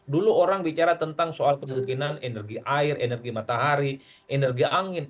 dulu orang bicara tentang soal kemungkinan energi air energi matahari energi angin